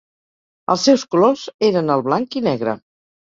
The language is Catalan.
Els seus colors eren el blanc i negre.